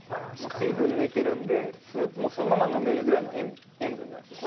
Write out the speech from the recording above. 水分抜いてるんでスープもそのまま飲めるぐらいの塩分なんです。